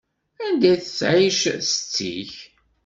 Anda i tettɛic setti-k?